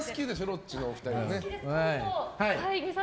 ロッチのお二人。